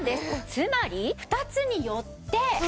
つまり２つによって。